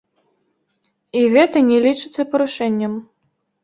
І гэта не лічыцца парушэннем.